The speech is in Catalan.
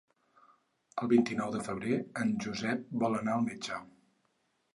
El vint-i-nou de febrer en Josep vol anar al metge.